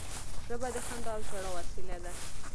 ژبه د خندا او ژړا وسیله ده